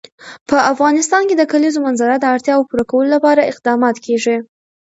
په افغانستان کې د د کلیزو منظره د اړتیاوو پوره کولو لپاره اقدامات کېږي.